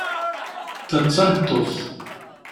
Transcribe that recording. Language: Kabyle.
Ta d tameṭṭut.